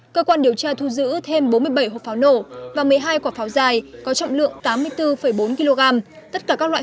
cơ quan điều tra thu giữ thêm bốn mươi bảy hộp pháo nổ và một mươi hai quả pháo dài có trọng lượng tám mươi bốn bốn kg tất cả các loại